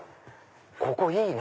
ここいいね！